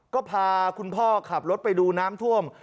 ก็พาคุณพ่อขับรถไปดูน้ำท่วม